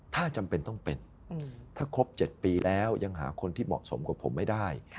ถ้าจำเป็นต้องเป็นถ้าครบ๗ปีแล้วยังหาคนที่เหมาะสมกับผมไม่ได้